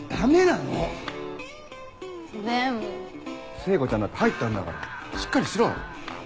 聖子ちゃんだって入ったんだからしっかりしろ。